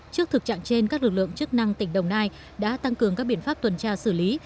trước thực trạng trên các lực lượng chức năng tỉnh đồng nai đã tăng cường các biện pháp tuần tra xử lý